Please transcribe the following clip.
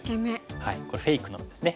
これフェイクの目ですね